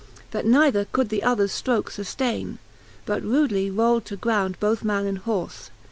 That neither could the others ftroke fuftaine, But rudely rowld to ground both man and horfe.